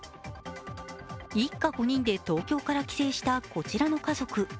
一家５人で東京から帰省したこちらの家族。